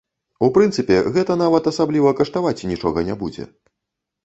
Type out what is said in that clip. У прынцыпе, гэта нават асабліва каштаваць нічога не будзе.